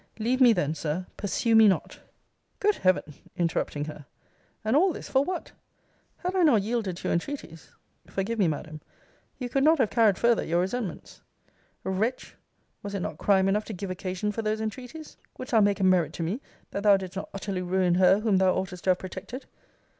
Leave me then, Sir, pursue me not! Good Heaven! [interrupting her] and all this, for what? Had I not yielded to your entreaties, (forgive me, Madam,) you could not have carried farther your resentments Wretch! Was it not crime enough to give occasion for those entreaties? Wouldst thou make a merit to me, that thou didst not utterly ruin her whom thou oughtest to have protected?